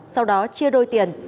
sau đó chia đôi tiền